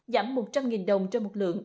giảm một trăm linh đồng trên một lượng